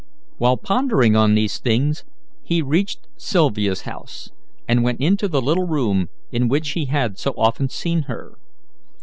While pondering on these things, he reached Sylvia's house, and went into the little room in which he had so often seen her.